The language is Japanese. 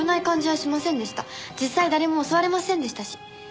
実際誰も襲われませんでしたし。